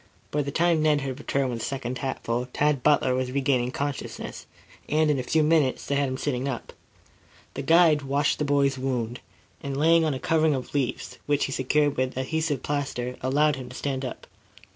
By the time Ned had returned with the second hatful, Tad Butler was regaining consciousness, and in a few moments they had him sitting up. The guide washed the boy's wound, and, laying on a covering of leaves, which he secured with adhesive plaster, allowed him to stand up.